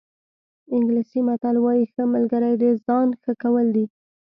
انګلیسي متل وایي ښه ملګری د ځان ښه کول دي.